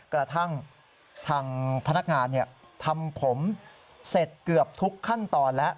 กระทั่งทางพนักงานทำผมเสร็จเกือบทุกขั้นตอนแล้ว